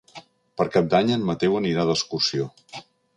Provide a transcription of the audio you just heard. Per Cap d'Any en Mateu anirà d'excursió.